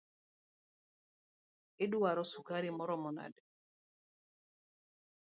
Iduaro sukari maromo nade?